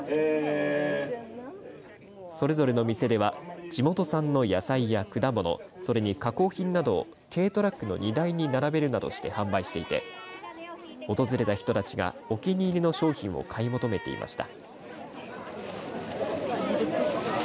それぞれの店では地元産の野菜や果物それに加工品などを軽トラックの荷台に並べるなどして販売していて訪れた人たちがお気に入りの商品を買い求めていました。